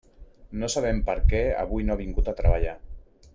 No sabem per què avui no ha vingut a treballar.